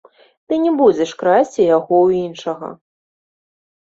Ты не будзеш красці яго ў іншага.